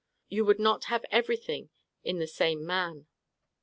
You would not have every thing in the same man.